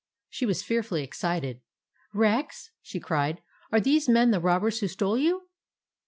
She was fearfully excited. "Rex," she cried, "are these men the robbers who stole you